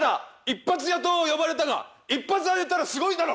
「一発屋と呼ばれたが一発当てたらすごいだろ」